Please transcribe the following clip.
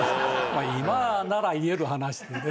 今なら言える話ですね。